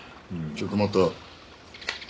ちょっと待った。